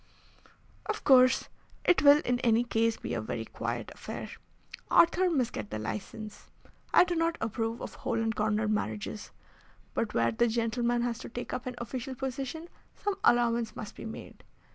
"Of course, it will in any case be a very quiet affair. Arthur must get the license. I do not approve of hole and corner marriages, but where the gentleman has to take up an official position some allowance must be made.